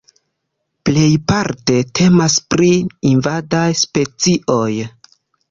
Plejparte temas pri invadaj specioj.